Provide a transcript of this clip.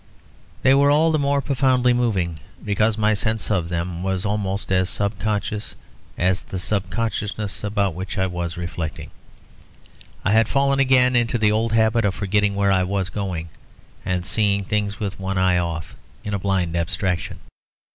They were all the more profoundly moving, because my sense of them was almost as subconscious as the subconsciousness about which I was reflecting. I had fallen again into the old habit of forgetting where I was going, and seeing things with one eye off, in a blind abstraction.